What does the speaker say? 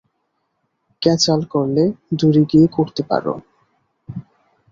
ক্যাঁচাল করলে, দূরে গিয়ে করতে পারো।